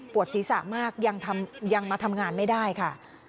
ศีรษะมากยังมาทำงานไม่ได้ค่ะ